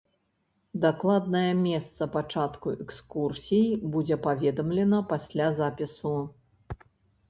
Дакладнае месца пачатку экскурсій будзе паведамлена пасля запісу.